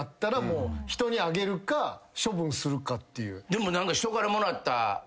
でも。